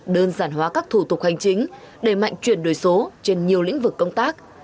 đơn giản hóa các thủ tục hành chính đẩy mạnh chuyển đổi số trên nhiều lĩnh vực công tác